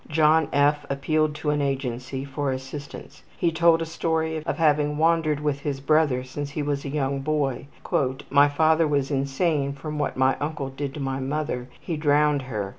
John F. appealed to an agency for assistance. He told a story of having wandered with his brother since he was a young boy. ``My father was insane from what my uncle did to my mother. He drowned her.